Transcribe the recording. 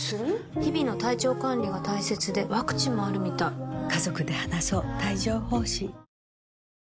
日々の体調管理が大切でワクチンもあるみたいチキンラーメン！